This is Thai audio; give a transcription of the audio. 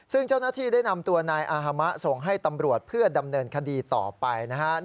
ซึ่งเจ้าหน้าที่ได้นำตัวนายอาฮมะส่งให้ตำรวจเพื่อดำเนินคดีต่อไปนะครับ